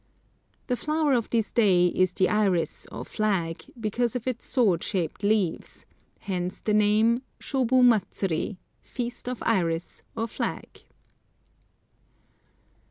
The flower of this day is the iris or flag, because of its sword shaped leaves, hence the name, Shobu Matsuri, feast of iris or flag.